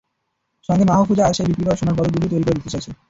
সঙ্গে মাহফুজার সেই বিক্রি করা সোনার পদক দুটিও তৈরি করে দিতে চাইছে।